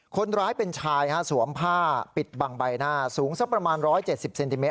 คนร้ายเป็นชายฮะสวมผ้าปิดบังใบหน้าสูงสักประมาณ๑๗๐เซนติเมต